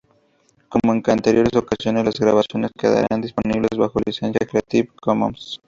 Como en anteriores ocasiones, las grabaciones quedarán disponibles bajo licencia "Creative Commons".